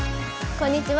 こんにちは。